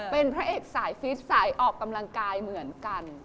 เป็นพระเอกสายฟีดสายออกกำลังกายเหมือนกัน